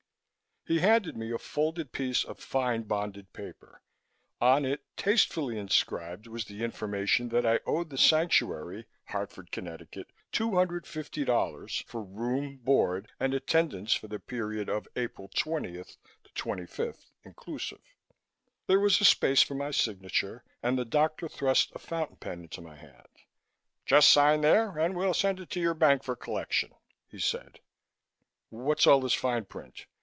He handed me a folded piece of fine bonded paper. On it, tastefully inscribed, was the information that I owed The Sanctuary, Hartford, Conn., $250.00 for room, board and attendance for the period of April 20 25, inclusive. There was a space for my signature and the doctor thrust a fountain pen into my hand. "Just sign there and we'll send it to your bank for collection," he said. "What's all this fine print?"